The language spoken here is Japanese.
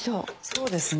そうですね。